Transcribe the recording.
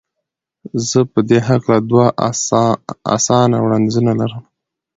زه په دې هکله دوه اسانه وړاندیزونه لرم.